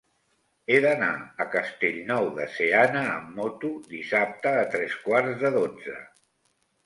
He d'anar a Castellnou de Seana amb moto dissabte a tres quarts de dotze.